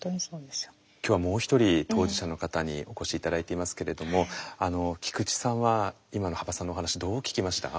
今日はもう一人当事者の方にお越し頂いていますけれども菊池さんは今の羽馬さんのお話どう聞きました？